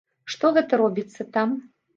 Што гэта робіцца там?